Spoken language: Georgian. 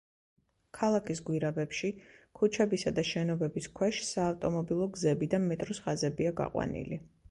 ქალაქის გვირაბებში, ქუჩებისა და შენობების ქვეშ, საავტომობილო გზები და მეტროს ხაზებია გაყვანილი.